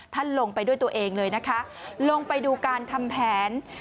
ลงไปด้วยตัวเองเลยนะคะลงไปดูการทำแผน